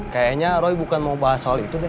kayaknya roy bukan mau bahas soal itu deh